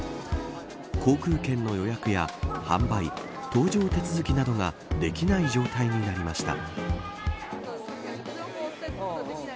航空券の予約や販売搭乗手続きなどができない状態になりました。